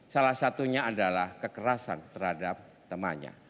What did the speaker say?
salah satunya adalah kekerasan terhadap temannya